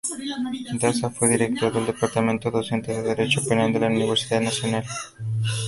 Daza fue Director del Departamento Docente de Derecho Penal de la Universidad Nacional.